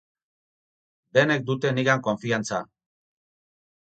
Denek dute nigan konfiantza.